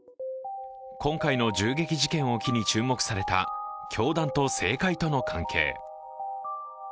今回の銃撃事件を機に注目された教団と政界との関係。